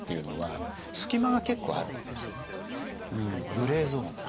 グレーゾーンが。